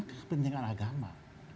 saya hanya kepentingan agama